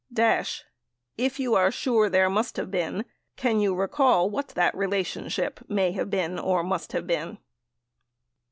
Dash. If you are sure there must have been, can you recall what that relationship may have been or must have been?